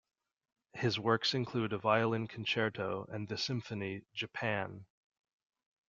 His works include a violin concerto and the symphony "Japan".